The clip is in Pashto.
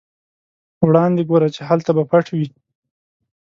وړاندې ګوره چې هلته به پټ وي.